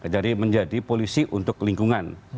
jadi menjadi polisi untuk lingkungan